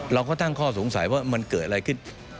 เราก็ตั้งข้อสงสัยว่ามันเกิดอะไรขึ้น